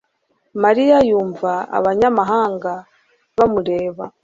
Mariya yumva abanyamahanga bamureba